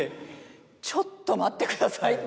ちょっと待ってくださいって言って。